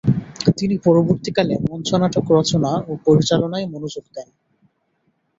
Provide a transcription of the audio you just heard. তিনি পরবর্তীকালে মঞ্চনাটক রচনা ও পরিচালনায় মনোযোগ দেন।